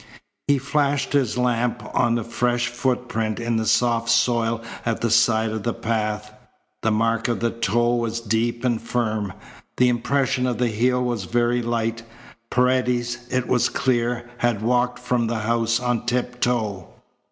He flashed his lamp on a fresh footprint in the soft soil at the side of the path. The mark of the toe was deep and firm. The impression of the heel was very light. Paredes, it was clear, had walked from the house on tiptoe.